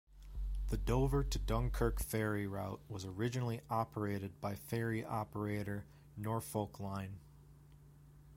The Dover to Dunkirk ferry route was originally operated by ferry operator Norfolkline.